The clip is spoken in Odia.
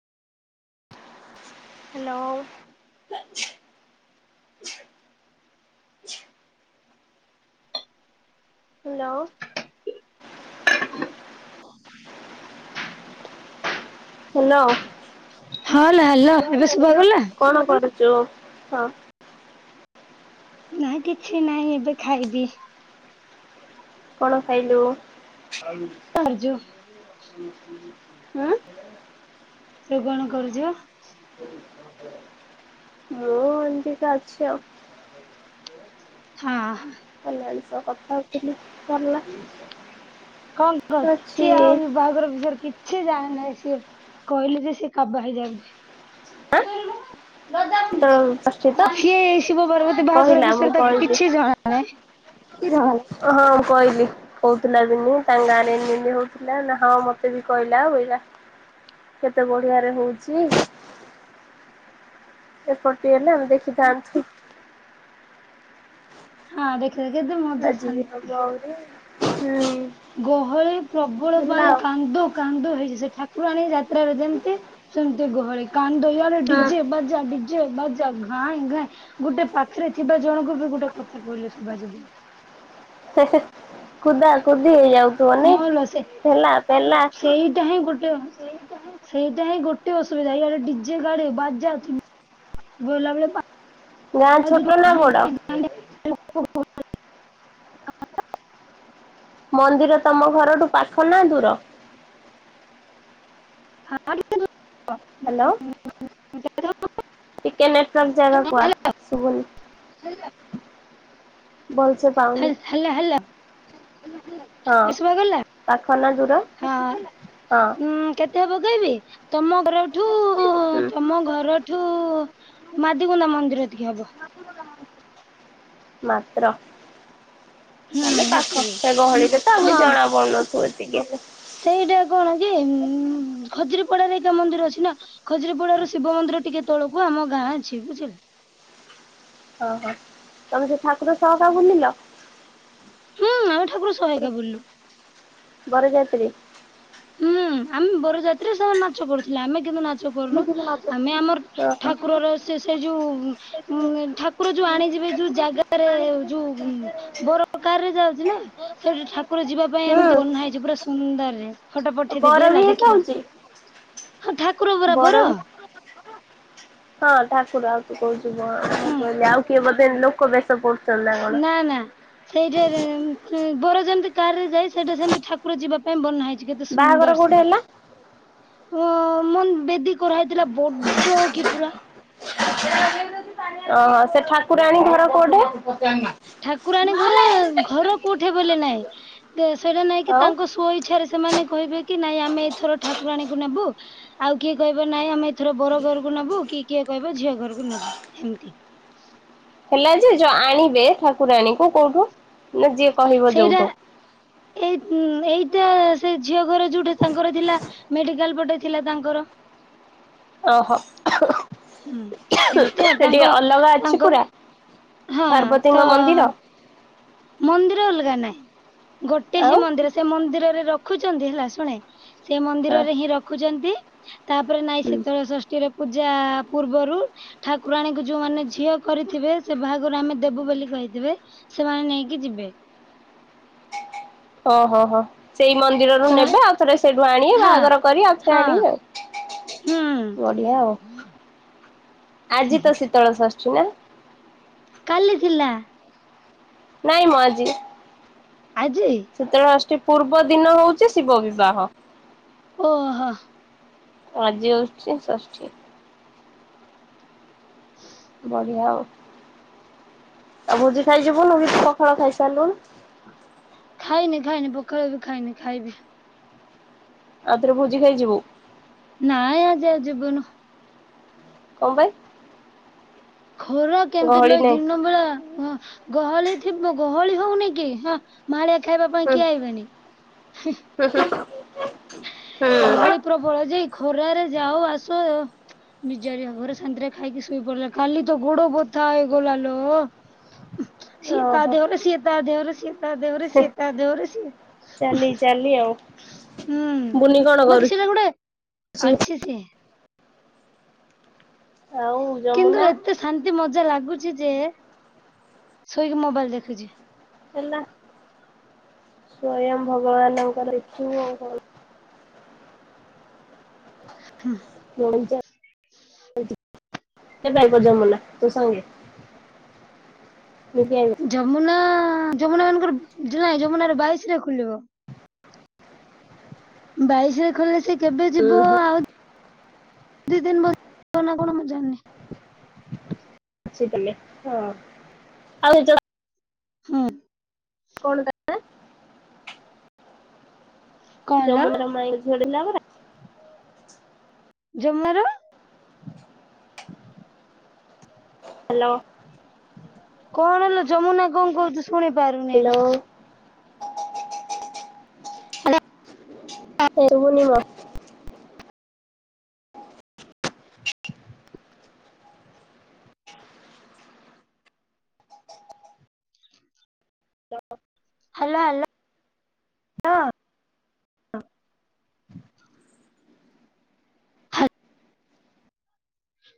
ହାଲୋ। ହାଲୋ। ହାଲୋ। ହଁ ଲୋ ହାଲୋ ଏବେ ଶୁଭାଗଲା? କଣ କରୁଚୁ? ହଁ। ନାଁ କିଛି ନାହିଁ ଏବେ ଖାଇବି। କଣ ଖାଇଲୁ? କାଜୁ ଉଁୁ। ତୁ କଣ କରୁଛୁ? ମୁଁ ଏନ୍ତି କା ଅଛି ଆଉ। ହଁ। କଲ୍ୟାଣୀ ସହ କଥା ହେଉଥିଲି କଲାଣି କଣ କର ଚି ଆଉ ବାହାଘର ବିଷୟରେ କି ସେ ଯାଣି ନାହିଁ ସିଏ କହିଲେ ଯେ ସେ କାବା ହେଇଯାଉଛି। ଆଁ କେତେବେଳକୁ ବସିଛି ତ ସିଏ ଶିବ ପାର୍ବତୀ ବାହାଘର କହିଲା ବିଷୟରେ ତାକୁ କିଛି ଜଣା ନାହିଁ। କିର ହଁ ଓଃ ମୁଁ କହିଲି କହୁଥିଲା ବିନି ତାଙ୍କ ଗାଁର ଇନି ଇନି ହଉଥିଲା ନା ହଁ ମତେ ବି କହିଲା କହିଲା କେତେ ବଢିଆ ରେ ହଉଛି ଏପଟ ହେଲେ ଆମେ ଦେଖିଥାନ୍ତୁ ହଁ ଦେଖିଲେ କେତେ ମଜା ଆଜି ଶାନ୍ତି [unintelligible] ହୁଁ। ଗହଳି ପ୍ରବଳ ହେଲା ପାଇଁ ଆଉ। କାନ୍ଦ କାନ୍ଦ ହେଇଛି ସେ ଠାକୁରାଣୀ ଯାତ୍ରାରେ ଯେମିତି ସେମିତି ଗହଳି କାନ୍ଦ ଇଆଡେ ହୁଁ। ଡିଜେ ବାଜା ଡିଜେ ଡିଜେ ବାଜା ଘାଇଁ ଘାଇଁ ଗୋଟେ ପାଖରେ ଥିବା ଜଣଙ୍କୁ ବି ଗୋଟେ କଥା କହିଲେ ଶୁଭାଯିବନି। ହେ ହେ କୁଦା କୁଦି ହେଇଯାଉଥିବା ନାଇ ହଁ ଲୋ ସେ ଠେଲାପେଲା ସେଇଟା ହିଁ ଗୋଟେ ସେଇଟା ହିଁ ଗୋଟେ ଅସୁବିଧା ଇଆଡେ ଡିଜେ ଗାଡ଼ି ବାଜା ଥି ଗଲା ବେଳେ ଉଆଁ ପାରାଚୁଟ ଛୋଟ ନା ଘାଇଁ ବଡ? ଘାଇଁ [unintelligible] ମନ୍ଦିର ତମ ଘରଠୁ ପାଖ ନା ଦୂର? ହଁ ଲି ହ୍ୟାଲୋ। ଟିକେ ନେଟୱର୍କ ଜାଗା କୁ ଆ। ଶୁବୁନି ହେ ହାଲୋ ହାଲୋ ହଁ ଏ ସୁବାଗଲା ପାଖ ନା ଦୂର? ହଁ ହଁ ଉଁ କେତେ ହବ କହବି ତମ ଘର ଠୁ ହୁଁ। ତମ ଘରଠୁ ମାଦିଗୁନ୍ଦା ମନ୍ଦିର ଏତିକି ହବ ମାତ୍ର ହୁଁ ତାହାଲେ ପାଖ ସେତିକି ସେ ଉଁ, ଗହଳିରେ ତ ଆଉ ହଁ କିଛି ଜଣା ପଡୁନଥିବ ଏତିକି ସେଇଟା କଣ କି ଉ ଖଜୁରପଡାରେ ଏକା ମନ୍ଦିର ଅଛି ନା ଖଜୁରିପଡାରୁ ଶିବ ମନ୍ଦିର ଟିକେ ତଳକୁ ଆମ ଗାଁ ଅଛି ବୁଝିଲେ। ଓହୋ ତମେ ସେ ଠାକୁର ସହକା ବୁଲିଲ? ହୁଁ ଆମେ ଠାକୁର ସହଏକା ବୁଲିଲୁ। ବରଯାତ୍ରୀ? ହୁଁ ଆମେ ବରଯାତ୍ରୀ ସେମାନେ ନାଚ କରୁଥିଲେ ଆମେ କିନ୍ତୁ ନାଚ ଚ କରିନୁ ଆମେ ଆମର ଓହୋ। ଠାକୁରର ସେ ସେ ଯୁ ଠା ଠାକୁର ଯୁ ଆଣିଯିବେ ଯୁ ଜାଗାରେ ଯୁ ବର କାର ରେ ଯାଉଛି ନା ସେଇଠି ଠାକୁର ଯିବା ପାଇଁ ଏମିତି ହୁଁ ବନା ହେଇଛି ପୁରା ସୁନ୍ଦରରେ ଫଟୋ ପଠେଇଦବି ବର ବି ହେଲା ଦେଖିବୁ ହେଇଥାଉଛି ହଁ ଠା ବର ବି ହଁ ଠାକୁର ଆଉ ତୁ କହୁଛୁ ବର୍ ମୁଁ ହୁଁ କହିଲି ଆଉ କିଏ ବୋଧେ ନୋକ ବେଶ ପଡୁ ନା ନା ସେଇଟା ବର ଯେମିତି କାର ରେ ଯାଏ ସେଇଟା ସେମିତି ଠା ପୁରା ଯିବା ପାଇଁ ବନା ହେଇଛି କେତେ ବାହାଘର ସୁନ୍ଦର କୋଉଠି ସେଇଟା। ହେଲା ହଁ ମନ ବେଦୀ କରାହଇଥିଲା ବଡ କି ପୁରା ଓହୋ ସେ ଠାକୁରାଣୀ ଘର କୋଉଠେ? ଠାକୁରାଣୀଙ୍କର ଘର କୋଉଠି ବୋଲେ ନାଇଁ ସେଇଟା ନାଇଁକି ଆଉ? ତାଙ୍କ ସ୍ବଇଚ୍ଛାରେ ସେ ସେମାନେ କହିବେ କି ନାଇଁ ଆମେ ଏଇଥର ଠାକୁରାଣୀକୁ ନେବୁ ଆଉ କିଏ କହିବ ନାଇଁ ଆମେ ଏଥର ବର ଘରକୁ ନେବୁ କି କିଏ କହିବ ଝିଅ ଘରକୁ ନେବୁ ହେମିତି। ହେଲା ଯେ ଯୋଉ ଆଣିବେ ଠାକୁରାଣୀ ଙ୍କୁ କୋଉଠୁ? ନା ଯିଏ କହିବ ସେଇଟା ଯୋଉଠୁ ଏଇ ଏଇଟା ସେ ଝିଅ ଘର ଯୋଉଠେ ତାଙ୍କର ଥିଲା ମେଡିକାଲ ପଟେ ଥିଲା ତାଙ୍କର। ଓହୋ ହୁଁ। ଏମିତି ଆଉ ଟିକେ ତାଙ୍କ ଅଲଗା ଅଛି ତାଙ୍କ ପୁରା ହଁ ତ ପାର୍ବତୀଙ୍କ ମନ୍ଦିର? ମନ୍ଦିର ଅଲଗା ନାହିଁ ଗୋଟେ ଆଉ ହିଁ ମନ୍ଦିର ସେ ମନ୍ଦିରରେ ରଖୁଛନ୍ତି ହେଲା ଶୁଣେ ସେ ମନ୍ଦିରରେ ହିଁ ରଖୁଛନ୍ତି ତାପରେ ନାଇଁ ଶୀତଳ ଷଷ୍ଠୀ ଷଷ୍ଠୀ ର ପୂଜା ପୂର୍ବରୁ। ଠାକୁରାଣୀକୁ ଯୋଉମାନୋନ ଝିଅ କରିଥିବେ ସେ ବାହାଘରୁ ଆମେ ଦେବୁ ବୋଲି କହିଥିବେ ସେମାନେ ନେଇକି କି ଯିବେ। ଓହୋ ହୋ। ସେଇ ମନ୍ଦିରରୁ ସେମାନେ ନେବେ ଆଉ ଥରେ ସେଇଠୁ ଆଣିବେ ହଁ ବାହାଘର କରି ଆଉ ଥରେ ହଁ ଆଣିବେ ଆଉ। ବଢିଆ ଆଉ। ହୁଁ। ଆଜି ତ ଶୀତଳ ଷଷ୍ଠି ନା। କାଲି ଥିଲା। ନାଇଁ ମଁ ଆଜି। ଆଜି। ଶୀତଳ ଷଷ୍ଠି ପୂର୍ବ ଦିନ ହୋଉଛି ସୀତା ବିଭାହ। ଓହୋ। ଆଜି ହଉଛି ଷଷ୍ଠି। ହଁ ବଢିଆ ଆଉ ଆଉ ଭୋଜି ଖାଇଯିବୁନ ପଖାଳ ଖାଇସାରିଲୁଣୁ। ଖାଇନି ଖାଇନି ପଖୋଳ ବି ଖାଇନି ଖାଇବି। ଆଉଥରେ ଭୋଜି ଖାଇଯିବୁ। ନାଇଁ ଆଜି ଆ ଯିବୁନୁ। କଣ ପାଇଁ? ଖରା କେମିତି ଗହଳି ଲହି ନାହିଁ ଦିନ ବେଳା ଗହଳି ଥିବ ଗହଳି ହଉନି କି ହଁ। ମାଳିଆ ଖାଇବା ପାଇଁ ହୁଁ କିଏ ଆଇବେନି। [inaudible] ଗହଳି ହୁଁ ପ୍ରବଳ ଯାଇ ଖରାରେ ଯାଓ ଆସ। ବିଜାଡଆ ଘରେ ସାନ୍ତିରେ ଖାଇକି ଶୋଇ ପଡିଲା କାଲି ତ ଗୋଡ ବଥା ହେଇଗଲା ଲୋ। ହ ଶୀତ ଓହୋ ଦେହରେ ଶୀତ ଦେଓର ଶୀତ ଦେହରେ ଶୀତ ଦେହରେ। କି ଆଉ ବୁନି କଣ ହୁଁ ବାକି କରୁଛି ସେଟା ଗୋଟେ ଅଛି ସିଏ। ଆଉ କିନ୍ତୁ ଯମୁନା ଏତେ ଶାନ୍ତି ମଜା ଲାଗୁଛି ଯେ ଶୋଇକି ମୋବାଇଲ ଦେଖୁଛି। ହେଲା ସ୍ଵୟଂ ଭଗବାନଙ୍କର ଇଛୁ କ ଆଉ କଣ। ହୁଁ। [unintelligible] ମୁଁ ଜାଣିଛି। ଯମୁନା ଯମୁନା ମାନଙ୍କର ନାଇଁ ଯମୁନା ର ବାଇଶ ରେ ଖୋଲିବ। ବାଇଶରେ ଖଲେ ସେ କେବେ ଉଁ ଯିବ ହୁଁ ଆଉ। ଦି ଦିନ ବସ ନା କଣ ମୁଁ ଜାଣିନି। ଥିଲେ ହଁ ଆଉ। ହୁଁ। କଣ କାଇଁ? କଣ ହେଲା ଯମୁନା ର ମାଇ ଝଡିଲା ପରା। ଜମାରୁ। ହାଲୋ। କଣ ଲୋ ଯମୁନା କଣ କହୁଛୁ? ଶୁଣି ପାରୁନି ହ୍ୟାଲୋ ଏ ହା ଏ ଶୁଭୁନି ମ। Hello hello.. ହା